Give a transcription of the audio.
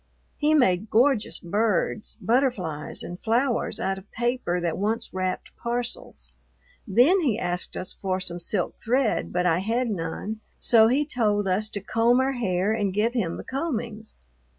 He made gorgeous birds, butterflies, and flowers out of paper that once wrapped parcels. Then he asked us for some silk thread, but I had none, so he told us to comb our hair and give him the combings.